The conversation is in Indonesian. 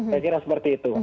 saya kira seperti itu